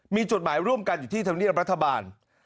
มีจดหมายร่วมกันอยู่ที่ธรรมเนียบรัฐบาล